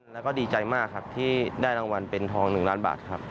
แล้วก็ดีใจมากครับที่ได้รางวัลเป็นทอง๑ล้านบาทครับ